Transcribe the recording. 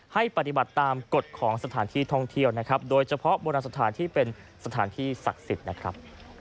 ให้ปฏิบัติตามกฎของสถานที่ท่องเที่ยวนะครับโดยเฉพาะโบราณสถานที่เป็นสถานที่ศักดิ์สิทธิ์นะครับ